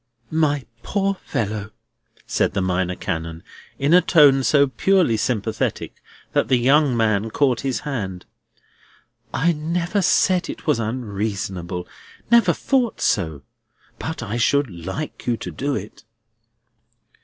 "My poor fellow!" said the Minor Canon, in a tone so purely sympathetic that the young man caught his hand, "I never said it was unreasonable; never thought so. But I should like you to do it."